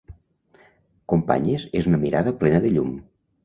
Companyes és una mirada plena de llum.